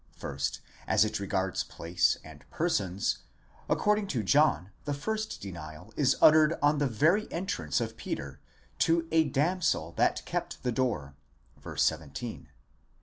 First, as it regards place and persons; according to John the first denial is uttered on the very entrance of Peter, to ὦ damsel that kept the door, παιδίσκη θυρωρός (v.